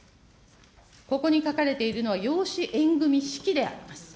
ここに書かれているのは、養子縁組み式であります。